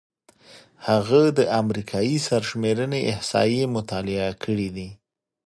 هغه د امریکايي سرشمېرنې احصایې مطالعه کړې دي.